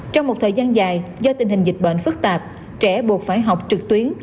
trong một thời gian dài do tình hình dịch bệnh phức tạp trẻ buộc phải học trực tuyến